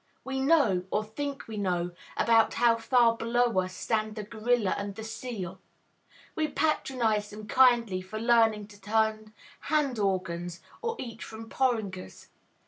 We know, or think we know, about how far below us stand the gorilla and the seal. We patronize them kindly for learning to turn hand organs or eat from porringers.